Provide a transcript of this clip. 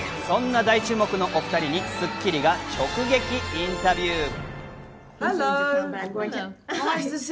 そんな大注目のお２人に『スッキリ』が直撃インタビュー。